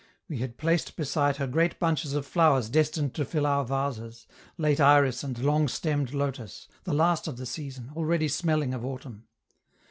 We had placed beside her great bunches of flowers destined to fill our vases, late iris and long stemmed lotus, the last of the season, already smelling of autumn.